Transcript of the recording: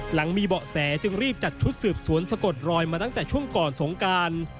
หลังมีเบาะแสจึงรีบจัดชุดสืบสวนสะกดรอยมาตั้งแต่ช่วงก่อนสงการ